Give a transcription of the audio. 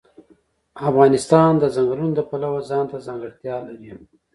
افغانستان د چنګلونه د پلوه ځانته ځانګړتیا لري.